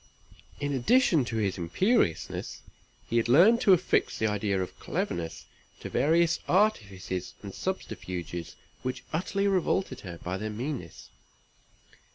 In addition to his imperiousness, he had learned to affix the idea of cleverness to various artifices and subterfuges which utterly revolted her by their meanness.